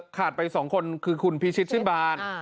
ขาดไป๒คนคือคุณพิชิตชิบาล